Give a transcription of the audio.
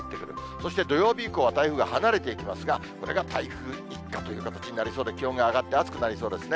そして土曜日以降は台風が離れていきますが、これが台風一過という形になりそうで、気温が上がって暑くなりそうですね。